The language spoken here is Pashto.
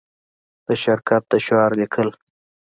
د شرکت د شعار لیکل